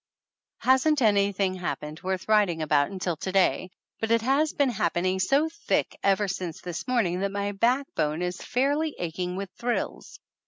Hasn't anything happened worth writing about until to day, but it has been happening so thick ever since morning that my backbone is fairly aching with thrills.